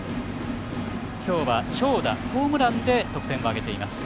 今日は長打、ホームランで得点を挙げています。